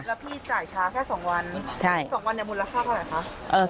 แล้วพี่จ่ายช้าแค่สองวันสองวันมูลราคาเงียบเท่าไรคะ